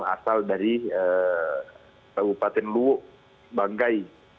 asal dari kabupaten luwuk banggai